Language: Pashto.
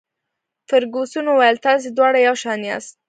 فرګوسن وویل: تاسي دواړه یو شان یاست.